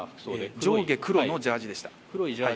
上下黒のジャージーでした。